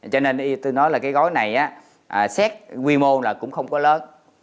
cho nên tôi nói là cái gói này xét quy mô là cũng không có lớn